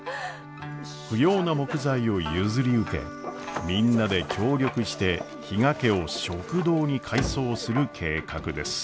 不要な木材を譲り受けみんなで協力して比嘉家を食堂に改装する計画です。